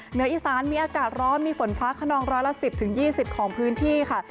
เหนืออีสานมีอากาศร้อนมีฝนฟ้าขนองร้อยละ๑๐๒๐ของพื้นที่ค่ะ